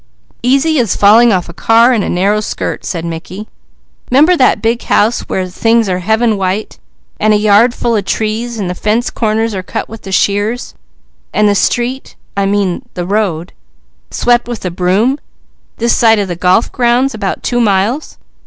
"Easy as falling off a car in a narrow skirt," said Mickey. "'Member that big house where things are Heaven white, and a yard full of trees, and the fence corners are cut with the shears, and the street I mean the road swept with a broom, this side the golf grounds about two miles?"